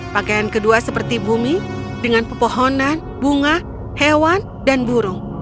pakaian kedua seperti bumi dengan pepohonan bunga hewan dan burung